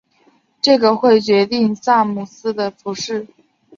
这个会决定萨姆斯的服饰。